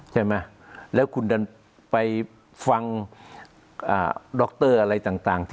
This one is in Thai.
ใช่ไหมแล้วคุณดันไปฟังดรอะไรต่าง